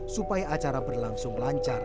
supaya acara berlangsung lancar